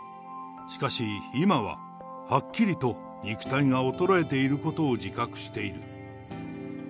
しかし、今は、はっきりと肉体が衰えていることを自覚している。